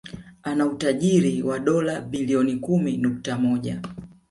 Ana utajiri wa dola Bilioni kumi nukta moja